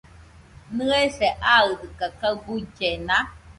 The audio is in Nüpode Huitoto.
¿Nɨese aɨdɨkaɨ kaɨ guillena?